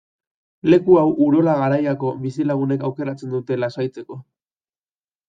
Leku hau Urola Garaiako bizilagunek aukeratzen dute lasaitzeko.